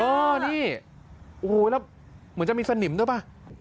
เออนี่โอ้โหแล้วเหมือนจะมีสนิมด้วยป่ะ